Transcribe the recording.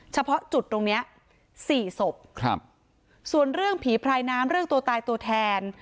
เฉพาะจุดตรงเนี้ยสี่ศพครับส่วนเรื่องผีพรายน้ำเรื่องตัวตายตัวแทน